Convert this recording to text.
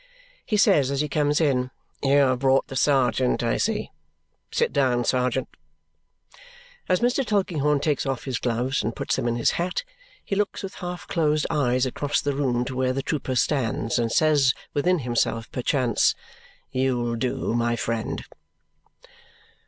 he says as he comes in. "You have brought the sergeant, I see. Sit down, sergeant." As Mr. Tulkinghorn takes off his gloves and puts them in his hat, he looks with half closed eyes across the room to where the trooper stands and says within himself perchance, "You'll do, my friend!"